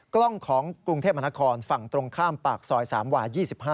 กล้องของกรุงเทพมหานครฝั่งตรงข้ามปากซอย๓วา๒๕